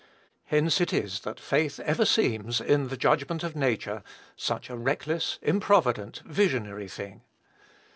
Hence it is that faith ever seems, in the judgment of nature, such a reckless, improvident, visionary thing.